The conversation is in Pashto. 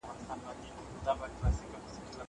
هغه وويل چي مرسته کول مهم دي!